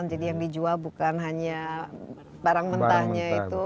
jadi yang dijual bukan hanya barang mentahnya itu